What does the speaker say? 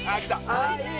ああいい。